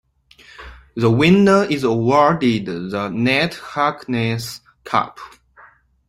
The winner is awarded the Ned Harkness Cup.